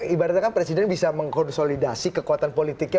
ibaratnya kan presiden bisa mengkonsolidasi kekuatan politiknya